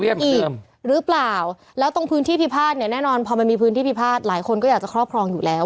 อีกหรือเปล่าแล้วตรงพื้นที่พิพาทเนี่ยแน่นอนพอมันมีพื้นที่พิพาทหลายคนก็อยากจะครอบครองอยู่แล้ว